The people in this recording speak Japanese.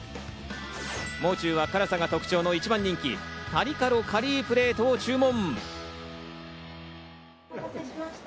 もう中は辛さが特徴の一番人気、タリカロカリープレートを注文。